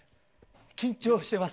緊張してます。